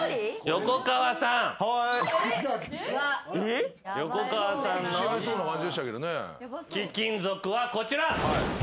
横川さんの貴金属はこちら！